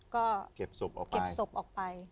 เก็บศพออกไป